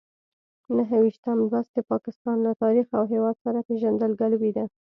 نهه ویشتم لوست د پاکستان له تاریخ او هېواد سره پېژندګلوي ده.